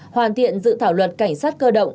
hoàn thiện dự thảo luật cảnh sát cơ động